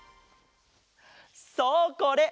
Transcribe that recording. そうこれ！